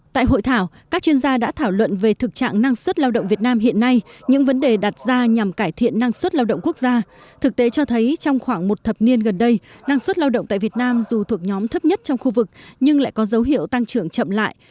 tại hội thảo các chuyên gia đã thảo luận về thực trạng năng suất lao động việt nam hiện nay những vấn đề đặt ra nhằm cải thiện năng suất lao động quốc gia thực tế cho thấy trong khoảng một thập niên gần đây năng suất lao động tại việt nam dù thuộc nhóm thấp nhất trong khu vực nhưng lại có dấu hiệu tăng trưởng chậm lại